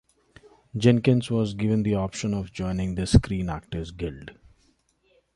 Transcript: Jenkins was given the option of joining the Screen Actors Guild.